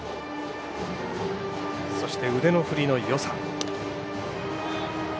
そして腕の振りのよさ。